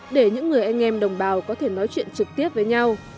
để những người anh em đồng bào có thể nói chuyện trực tiếp với nhau